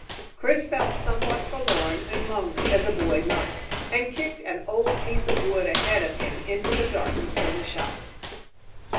Chris felt somewhat forlorn and lonely, as any boy might, and kicked an old piece of wood ahead of him into the darkness of the shop.